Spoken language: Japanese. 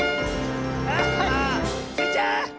あ！スイちゃん！